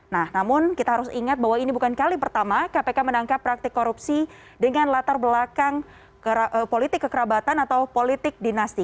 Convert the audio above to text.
nah namun kita harus ingat bahwa ini bukan kali pertama kpk menangkap praktik korupsi dengan latar belakang politik kekerabatan atau politik dinasti